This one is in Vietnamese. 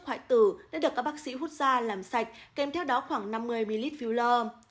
khoại tử nên được các bác sĩ hút ra làm sạch kèm theo đó khoảng năm mươi ml filler